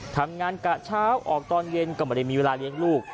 ทำงานกะเช้าออกตอนเย็นก็ไม่ได้มีเวลาเลี้ยงลูก